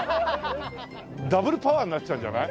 ダブルパワーになっちゃうんじゃない？